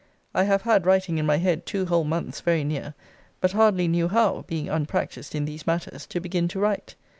I have had writing in my head two whole months very near; but hardly knew how (being unpracticed in these matters) to begin to write.